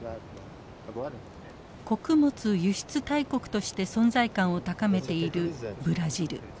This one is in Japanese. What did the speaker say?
穀物輸出大国として存在感を高めているブラジル。